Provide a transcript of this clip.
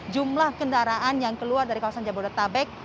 jumlah kendaraan yang keluar dari kawasan jabodetabek